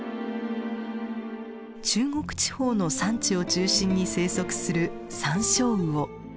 中国地方の山地を中心に生息するサンショウウオ。